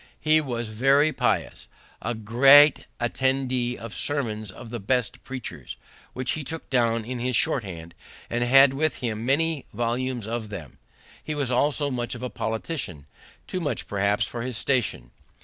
He was very pious, a great attender of sermons of the best preachers, which he took down in his short hand, and had with him many volumes of them. He was also much of a politician; too much, perhaps, for his station.